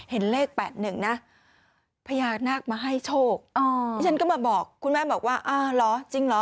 เห็นเลข๘๑นะพญานาคมาให้โชคดิฉันก็มาบอกคุณแม่บอกว่าอ่าเหรอจริงเหรอ